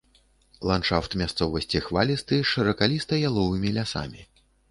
Ландшафт мясцовасці хвалісты з шыракаліста-яловымі лясамі.